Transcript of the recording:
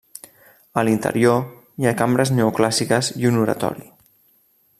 A l'interior hi ha cambres neoclàssiques i un oratori.